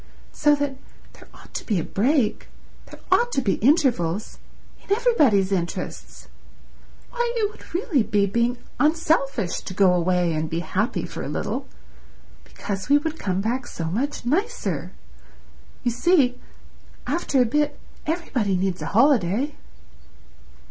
So that there ought to be a break, there ought to be intervals—in everybody's interests. Why, it would really be being unselfish to go away and be happy for a little, because we would come back so much nicer. You see, after a bit everybody needs a holiday."